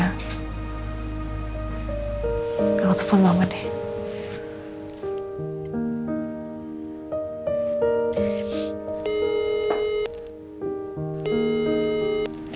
aku telepon mama deh